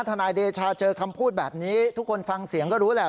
นายเดชาเจอคำพูดแบบนี้ทุกคนฟังเสียงก็รู้แหละ